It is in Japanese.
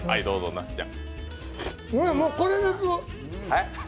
もうこれです。